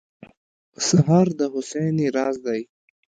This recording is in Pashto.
سهار د هوساینې راز دی.